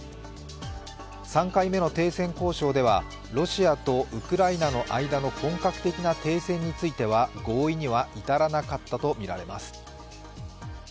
３回目の停戦交渉ではロシアとウクライナの間の本格的な停戦については合意には至らなかったとみられます。